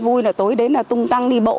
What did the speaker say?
vui là tối đến là tung tăng đi bộ